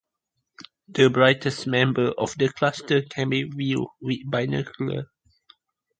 The brightest members of the cluster can be viewed with binoculars.